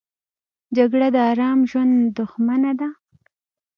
جګړه د آرام ژوند دښمنه ده